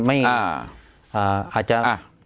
อาจจะ